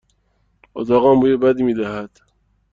اتاقم بوی بدی می دهد.